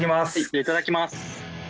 いただきます。